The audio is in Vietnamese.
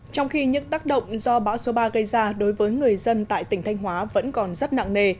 trong khi những tác động do bão số ba gây ra đối với người dân tại tỉnh thanh hóa vẫn còn rất nặng nề